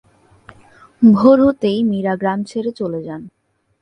ভোর হতেই মীরা গ্রাম ছেড়ে চলে যান।